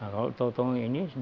tau tau tengah ini ini bagian bawah